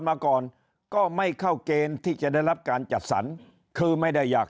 มาก่อนก็ไม่เข้าเกณฑ์ที่จะได้รับการจัดสรรคือไม่ได้อยาก